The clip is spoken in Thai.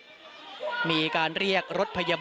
ไม่ทราบว่าตอนนี้มีการถูกยิงด้วยหรือเปล่านะครับ